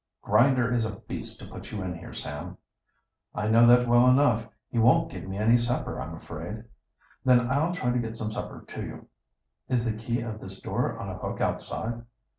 "Grinder is a beast to put you in here, Sam." "I know that well enough. He won't give me any supper, I'm afraid." "Then I'll try to get some supper to you." "Is the key of this door on a hook outside?"